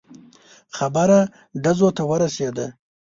خبره ډزو ته ورسېده.